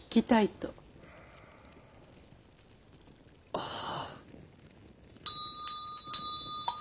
ああ。